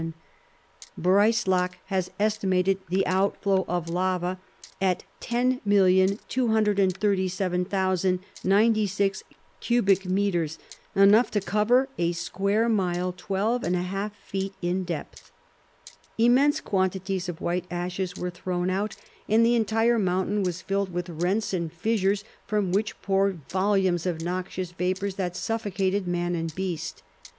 Breislak has estimated the outflow of lava at [Illustration: VESUVIUS IN 1737.] 10,237,096 cubic meters; enough to cover a square mile twelve and a half feet in depth. Immense quantities of white ashes were thrown out, and the entire mountain was filled with rents and fissures, from which poured volumes of noxious vapors that suffocated man and beast.